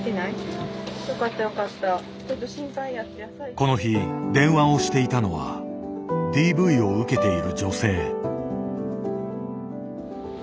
この日電話をしていたのはＤＶを受けている女性。